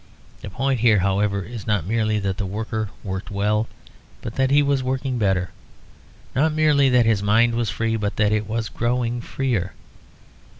The point here, however, is not merely that the worker worked well but that he was working better; not merely that his mind was free but that it was growing freer.